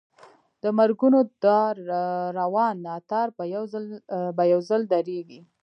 د مرګونو دا روان ناتار به یو ځل درېږي.